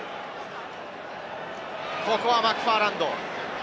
ここはマクファーランド。